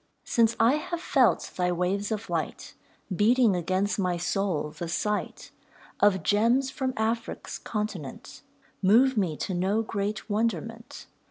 Since I have felt thy waves of light, Beating against my soul, the sight Of gems from Afric's continent Move me to no great wonderment.